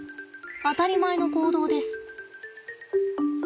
当たり前の行動です。